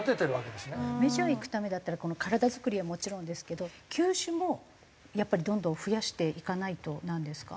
メジャー行くためだったら体作りはもちろんですけど球種もやっぱりどんどん増やしていかないとなんですか？